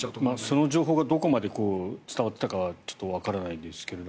その情報がどこまで伝わっていたかはわからないですが。